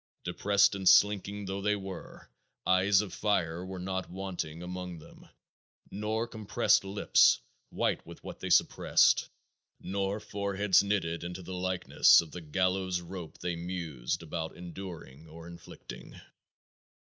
Depressed and slinking though they were, eyes of fire were not wanting among them; nor compressed lips, white with what they suppressed; nor foreheads knitted into the likeness of the gallows rope they mused about enduring or inflicting."